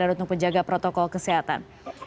untuk penjaga protokol kesehatan